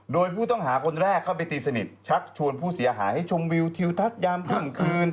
โดยผู้ต้องหาคนแรกเข้าไปตีสนิทชักชวนผู้เสียหายให้ชมวิวทิวทัศน์ยามเที่ยงคืน